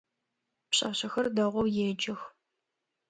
Пшъашъэхэр дэгъоу еджэх.